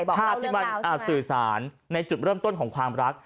ภาพที่มันสื่อสารในจุดเริ่มต้นของความรัก